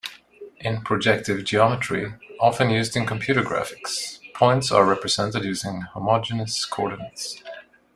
In projective geometry, often used in computer graphics, points are represented using homogeneous coordinates.